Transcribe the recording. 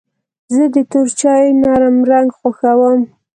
زه د تور چای نرم رنګ خوښوم.